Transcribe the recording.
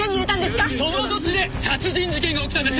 その土地で殺人事件が起きたんですよね？